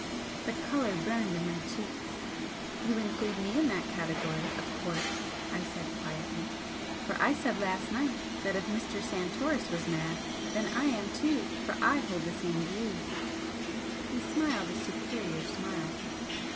The colour burned in my cheeks. "You include me in that category, of course," I said, quietly "For I said last night that if Mr. Santoris was mad, then I am too, for I hold the same views." He smiled a superior smile.